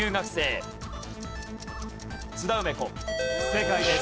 正解です。